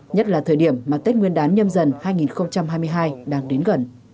nhất là thời điểm mà tết nguyên đán nhâm dần hai nghìn hai mươi hai đang đến gần